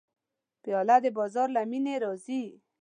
پیاله د بازار له مینې راځي.